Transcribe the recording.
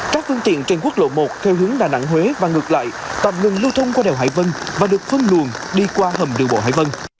các phương tiện trên quốc lộ một theo hướng đà nẵng huế và ngược lại tạm ngừng lưu thông qua đèo hải vân và được phân luồn đi qua hầm đường bộ hải vân